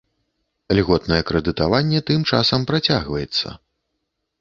Льготнае крэдытаванне тым часам працягваецца.